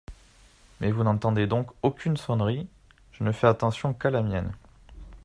Mais vous n'entendez donc aucune sonnerie ? Je ne fais attention qu'à la mienne.